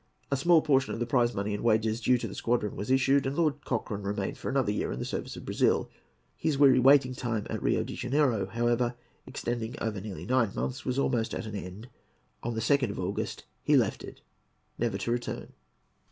A small portion of the prize money and wages due to the squadron was issued, and Lord Cochrane remained for another year in the service of Brazil. His weary waiting time at Rio de Janeiro, however, extending over nearly nine months, was almost at an end. On the 2nd of August he left it, never to return.